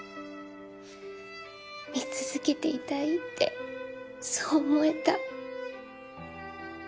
見続けていたいってそう思えた。